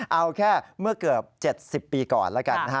เอาแค่เมื่อเกือบ๗๐ปีก่อนแล้วกันนะฮะ